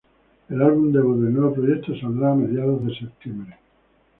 El álbum debut del nuevo proyecto saldrá a mediados de Septiembre.